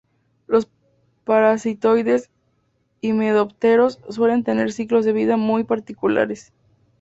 Los parasitoides himenópteros suelen tener ciclos de vida muy particulares.